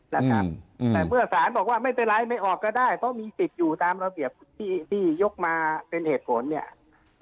แต่เมื่อศาลบอกว่าไม่ต้องย้ายไม่ออกก็ได้เพราะมีสิทธิ์ตามระเบียบที่ยกมาเป็นเหตุผล